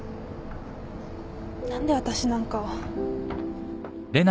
何で私なんかを。